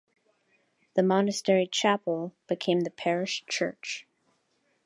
The monastery chapel became the parish church.